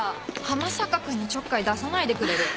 浜坂君にちょっかい出さないでくれる？